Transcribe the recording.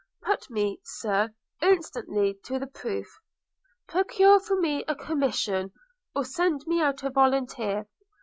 Put me, Sir, instantly to the proof. Procure for me a commission, or send me out a volunteer.